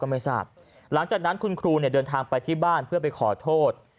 หลังจากนั้นคุณครูเดินทางไปที่บ้านเพื่อไปขอโทษ